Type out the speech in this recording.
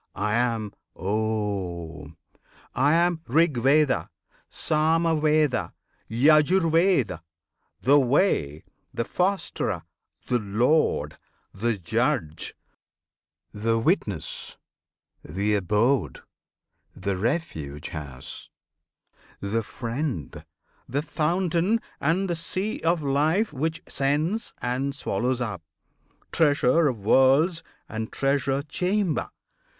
I am OM! I am Rig Veda, Sama Veda, Yajur Ved; The Way, the Fosterer, the Lord, the Judge, The Witness; the Abode, the Refuge House, The Friend, the Fountain and the Sea of Life Which sends, and swallows up; Treasure of Worlds And Treasure Chamber!